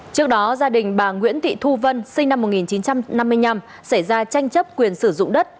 trước đó gia đình bà nguyễn thị thu vân sinh năm một nghìn chín trăm năm mươi năm xảy ra tranh chấp quyền sử dụng đất